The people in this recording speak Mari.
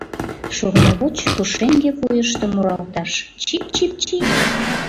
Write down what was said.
Шурнывоч пушеҥге вуйышто муралташ: чип-чип-чи!